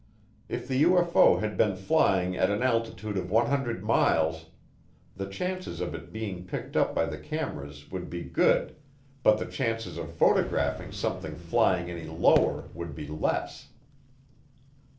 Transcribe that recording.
If the UFO had been flying at an altitude of 100 miles, the chances of its being picked up by the cameras would be good, but the chances of photographing something flying any lower would be less.